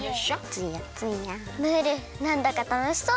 ツヤツヤムールなんだかたのしそう！